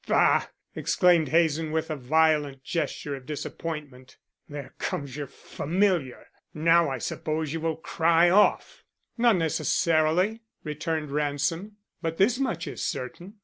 "Bah!" exclaimed Hazen with a violent gesture of disappointment. "There comes your familiar. Now I suppose you will cry off." "Not necessarily," returned Ransom. "But this much is certain.